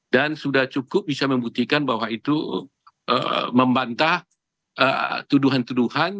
dan sudah cukup bisa membuktikan bahwa itu membantah tuduhan tuduhan